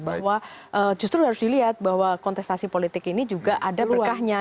bahwa justru harus dilihat bahwa kontestasi politik ini juga ada berkahnya